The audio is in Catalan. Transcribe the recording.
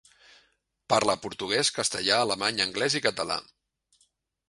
Parla portuguès, castellà, alemany, anglès i català.